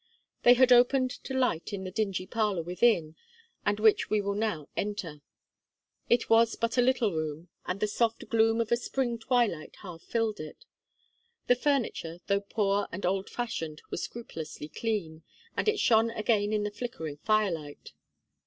They had opened to light in the dingy parlour within, and which we will now enter. It was but a little room, and the soft gloom of a spring twilight half filled it. The furniture though poor and old fashioned, was scrupulously clean; and it shone again in the flickering fire light.